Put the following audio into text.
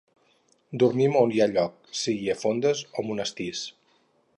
Dormim a on hi ha lloc, sigui a fondes o monestirs.